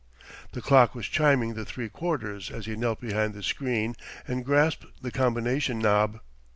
The clock was chiming the three quarters as he knelt behind the screen and grasped the combination knob.